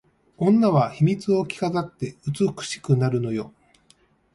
女は秘密を着飾って美しくなるのよ